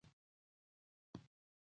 دا توکي د مصرف په برخه کې لګول کیږي.